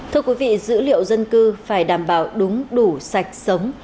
thưa quý vị dữ liệu dân cư phải đảm bảo đúng đủ sạch sống